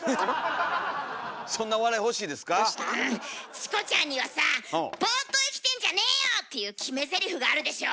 チコちゃんにはさ「ボーっと生きてんじゃねーよ！」っていう決めゼリフがあるでしょ？